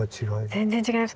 全然違います。